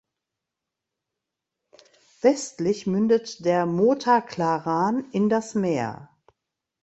Westlich mündet der Mota Claran in das Meer.